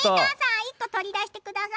１個取り出してください